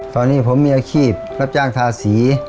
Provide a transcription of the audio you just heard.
ตอนนี้ผมมีอาชีพรับจ้างทาสี